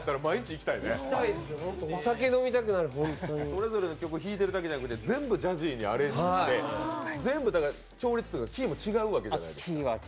行きたいです、お酒飲みたくなる、ホントにそれぞれの曲を弾いているだけじゃなくて、全部ジャジーにアレンジして全部調律というかキーも違うわけじゃないですか。